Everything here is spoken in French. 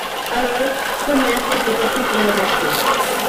Alors, Homer se fait passer pour l'un d'entre eux.